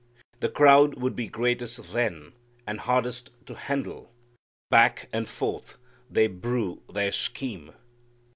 The crowd would be greatest then, and hardest to handle. Back and forth they brew their scheme.